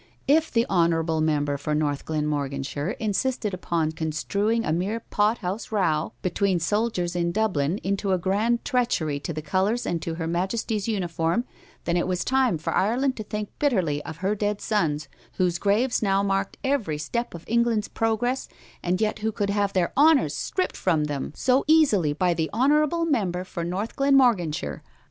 If the honorable member for North Glenmorganshire insisted upon construing a mere pothouse row between soldiers in Dublin into a grand treachery to the colors and to her Majesty's uniform, then it was time for Ireland to think bitterly of her dead sons, whose graves now marked every step of England's progress, and yet who could have their honors stripped from them so easily by the honorable member for North Glenmorganshire.